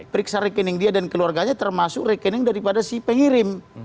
periksa rekening dia dan keluarganya termasuk rekening daripada si pengirim